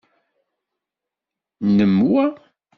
Nnem wa?